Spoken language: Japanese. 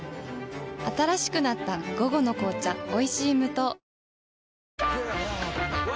新しくなった「午後の紅茶おいしい無糖」